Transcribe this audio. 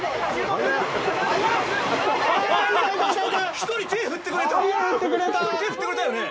１人、手、振ってくれたよね！？